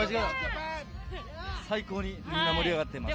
最高にみんな盛り上がっています。